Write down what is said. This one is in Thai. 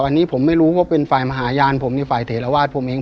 อันนี้ผมไม่รู้ว่าเป็นฝ่ายมหาญาณผมในฝ่ายเถระวาสผมเอง